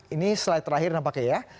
ini slide terakhir nampaknya ya